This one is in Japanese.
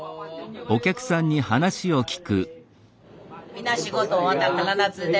みんな仕事終わったら必ずね